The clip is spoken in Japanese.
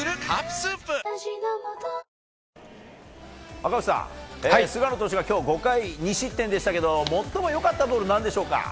赤星さん、菅野投手が今日５回２失点でしたけど最も良かったボールは何でしょうか？